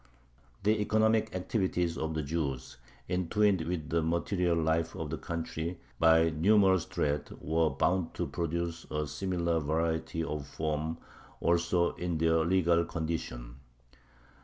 The economic activity of the Jews, entwined with the material life of the country by numerous threads, was bound to produce a similar variety of form also in their legal condition.